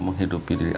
menghidupi diri aku